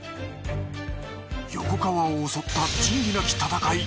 横川を襲った仁義なき戦い。